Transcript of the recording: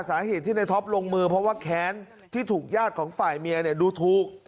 สาเหตุที่ในท็อปลงมือเพราะว่าแค้นที่ถูกญาติของฝ่ายเมียดูถูก